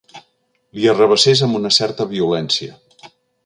Li arrabassés amb una certa violència.